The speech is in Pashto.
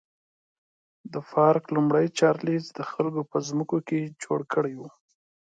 دا پارک لومړي چارلېز د خلکو په ځمکو کې جوړ کړی و.